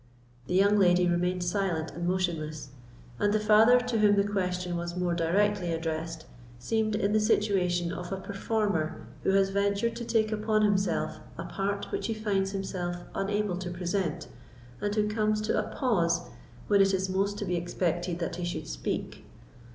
The young lady remained silent and motionless, and the father, to whom the question was more directly addressed, seemed in the situation of a performer who has ventured to take upon himself a part which he finds himself unable to present, and who comes to a pause when it is most to be expected that he should speak.